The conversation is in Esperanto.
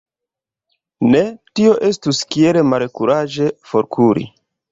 Ne, tio estus kiel malkuraĝe forkuri.